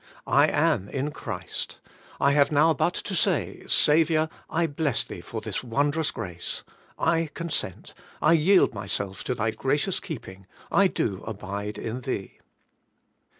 I am ^V^ Christ: I have now but to say, * Saviour, I bless Thee for this wondrous grace. I consent; I yield myself to Thy gracious keeping; I do abide in Thee.'